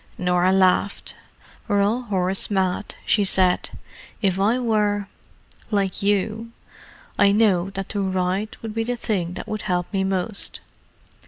Norah laughed. "We're all horse mad," she said. "If I were—like you, I know that to ride would be the thing that would help me most.